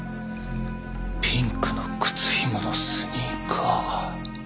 ピンクの靴ひものスニーカー。